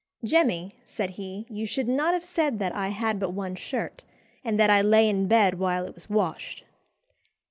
"Jemmy," said he, "you should not have said that I had but one shirt, and that I lay in bed while it was washed."